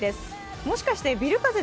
もしかしてビル風で